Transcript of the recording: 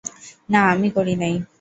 না আমি করি নাই।